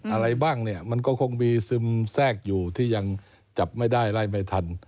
อะไรบ้างก็คงมีซึมแซกอยู่ที่ยังจับไม่ได้ไล่ไม่ทัน